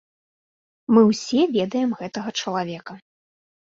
Мы ўсе ведаем гэтага чалавека.